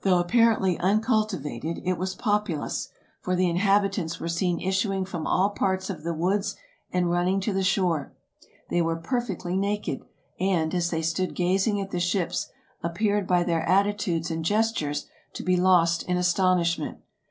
Though apparently uncultivated, it was populous; for the inhabitants were seen issuing from all parts of the woods and running to the shore. They were perfectly naked, and, as they stood gazing at the ships, appeared by their attitudes and gestures to be lost in astonishment.